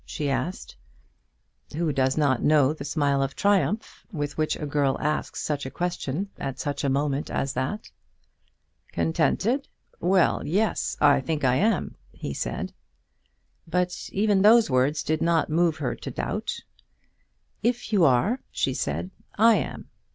she asked. Who does not know the smile of triumph with which a girl asks such a question at such a moment as that? "Contented? well, yes; I think I am," he said. But even those words did not move her to doubt. "If you are," she said, "I am.